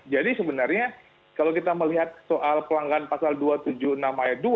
jadi sebenarnya kalau kita melihat soal pelanggan pasal dua ratus tujuh puluh enam a dua